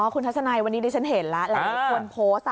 คุณทัศนัยวันนี้ดิฉันเห็นแล้วหลายคนโพสต์